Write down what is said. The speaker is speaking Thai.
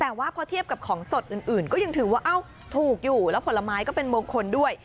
แต่ว่าพอเทียบกับของสดอื่นก็ยังถือว่าเอ้าถูกอยู่แล้วผลไม้ก็เป็นมงคลด้วย